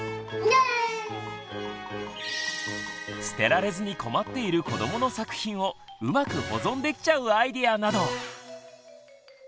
捨てられずに困っている子どもの作品をうまく保存できちゃうアイデアなど！